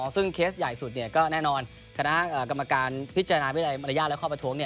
ซึ่งเคสใหญ่สุดก็แน่นอนคณะกรรมการพิจารณาวินัยมารยาทและข้อประท้วง